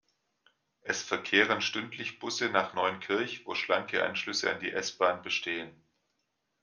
Es verkehren stündlich Busse nach Neunkirch, wo schlanke Anschlüsse an die S-Bahn bestehen.